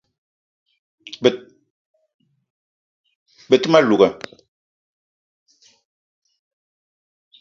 Be te ma louga